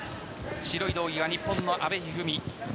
白い道着が日本の阿部一二三。